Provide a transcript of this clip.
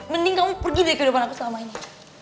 mending kamu pergi dari kehidupan aku selama ini